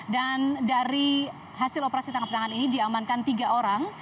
dan dari hasil operasi tangkap tangan ini diamankan tiga orang